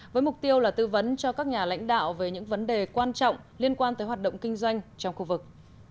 với mục tiêu là tư vấn cho các nhà lãnh đạo về những vấn đề quan trọng liên quan tới hoạt động kinh doanh trong khu vực